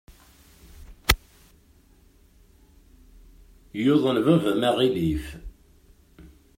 Yuḍen baba-m aɣilif.